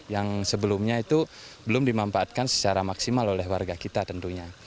yang sebelumnya itu belum dimanfaatkan secara maksimal oleh warga kita tentunya